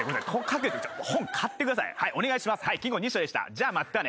じゃあまたね。